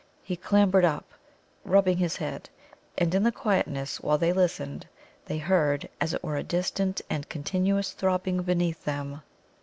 He clambered up, rubbing his head, and in the quietness, while they listened, they heard as it were a distant and continuous throbbing beneath them.